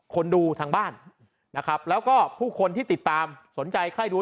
คนดูทางบ้านนะครับแล้วก็ผู้คนที่ติดตามสนใจใครดู